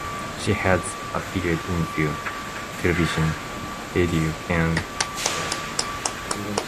She has appeared in film, television, radio and theatre.